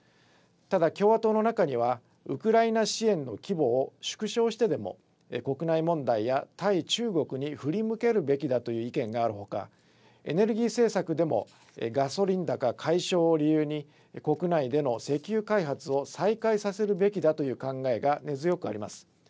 ただ共和党の中にはウクライナ支援の規模を縮小してでも国内問題や、対中国に振り向けるべきだという意見があるほか、エネルギー政策でもガソリン高解消を理由に国内での石油開発を再開させるべきだという考えが根強くあります。